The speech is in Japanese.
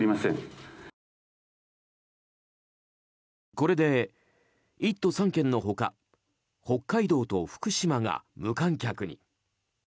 これで、１都３県の他北海道と福島が無観客に。